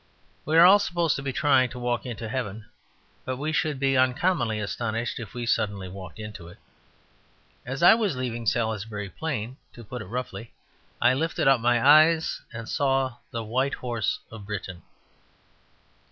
We are all supposed to be trying to walk into heaven; but we should be uncommonly astonished if we suddenly walked into it. As I was leaving Salisbury Plain (to put it roughly) I lifted up my eyes and saw the White Horse of Britain.